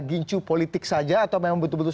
gincu politik saja atau memang betul betul